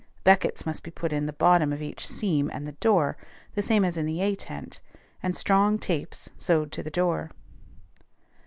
Beckets must be put in the bottom of each seam and the door, the same as in the A tent, and strong tapes sewed to the door.